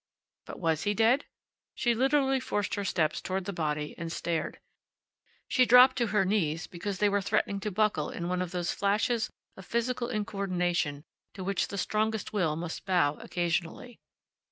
But was he dead? She literally forced her steps toward the body and stared. She dropped to her knees because they were threatening to buckle in one of those flashes of physical incoordination to which the strongest will must bow occasionally.